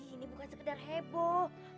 gini bukan sekedar heboh